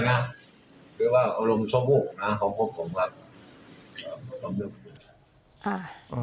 คือว่าอารมณ์ชมผู้ของผมครับ